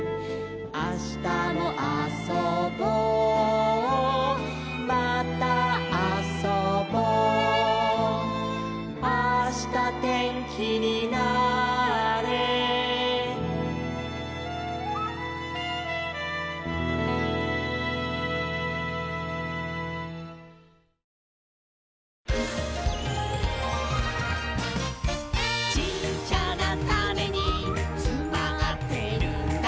「あしたも遊ぼうまたあそぼ」「あした天気になあれ」「ちっちゃなタネにつまってるんだ」